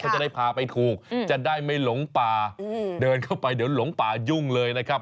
จะได้พาไปถูกจะได้ไม่หลงป่าเดินเข้าไปเดี๋ยวหลงป่ายุ่งเลยนะครับ